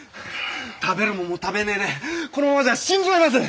食べるもんも食べねえでこのままじゃ死んじまいます！